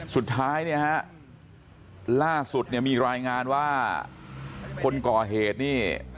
สุดท้ายเนี่ยฮะล่าสุดเนี่ยมีรายงานว่าคนก่อเหตุนี่